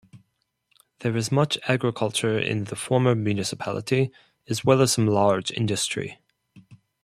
There is much agriculture in the former municipality, as well as some large industry.